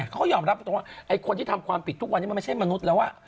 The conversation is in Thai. เขายอมรับตรงว่าไอ้คนที่ทำความผิดทุกวันนี้มันไม่ใช่มนุษย์แล้ว